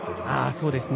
そうですね。